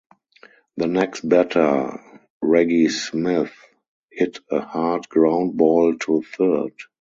The next batter, Reggie Smith, hit a hard ground ball to third.